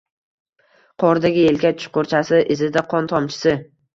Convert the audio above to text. Qordagi yelka chuqurchasi izida qon tomchisi